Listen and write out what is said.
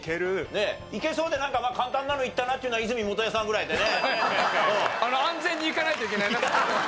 いけそうでなんか簡単なのいったなっていうのは和泉元彌さんぐらいでね。